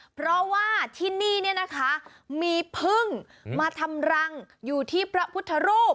เพราะว่าที่นี่เนี่ยนะคะมีพึ่งมาทำรังอยู่ที่พระพุทธรูป